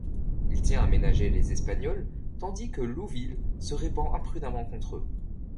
Il tient à ménager les Espagnols, tandis que Louville se répand imprudemment contre eux.